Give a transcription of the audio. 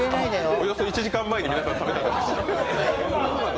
およそ１時間前に皆さん食べたんですよ。